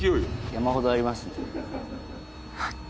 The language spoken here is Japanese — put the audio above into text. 山ほどありますんで。